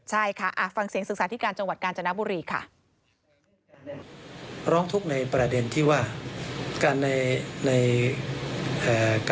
ใช่ค่ะฟังเสียงศึกษาธิการจังหวัดกาญจนบุรีค่ะ